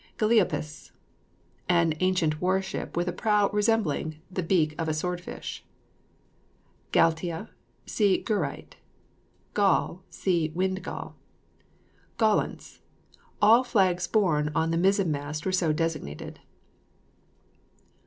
GALEOPIS. An ancient war ship with a prow resembling the beak of a sword fish. GALITA. See GUERITE. GALL. See WIND GALL. GALLANTS. All flags borne on the mizen mast were so designated.